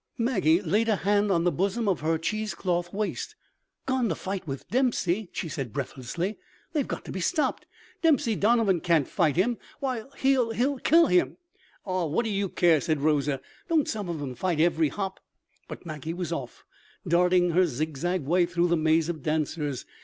Maggie laid a hand on the bosom of her cheesecloth waist. "Gone to fight with Dempsey!" she said, breathlessly. "They've got to be stopped. Dempsey Donovan can't fight him. Why, he'll—he'll kill him!" "Ah, what do you care?" said Rosa. "Don't some of 'em fight every hop?" But Maggie was off, darting her zig zag way through the maze of dancers.